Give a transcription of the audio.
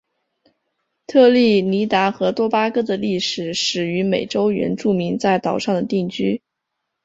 特立尼达和多巴哥的历史始于美洲原住民在岛上的定居。